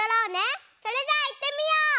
それじゃあいってみよう！